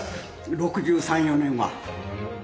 ６３６４年は。